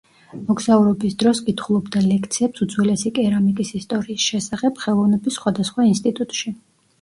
მოგზაურობის დროს კითხულობდა ლექციებს უძველესი კერამიკის ისტორიის შესახებ, ხელოვნების სხვადასხვა ინსტიტუტში.